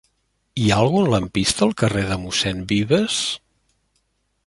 Hi ha algun lampista al carrer de Mossèn Vives?